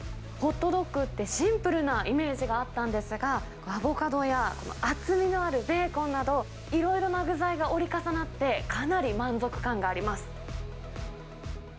ホットドッグって、シンプルなイメージがあったんですが、アボカドやこの厚みのあるベーコンなど、いろいろな具材が折り重なって、かなり満足感があります。